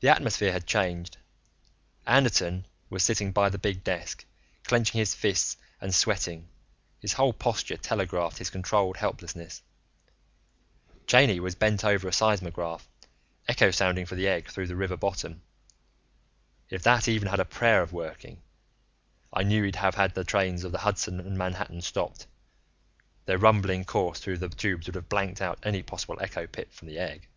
The atmosphere had changed. Anderton was sitting by the big desk, clenching his fists and sweating; his whole posture telegraphed his controlled helplessness. Cheyney was bent over a seismograph, echo sounding for the egg through the river bottom. If that even had a prayer of working, I knew, he'd have had the trains of the Hudson & Manhattan stopped; their rumbling course through their tubes would have blanked out any possible echo pip from the egg.